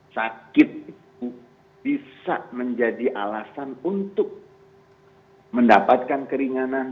sakit itu bisa menjadi alasan untuk mendapatkan keringanan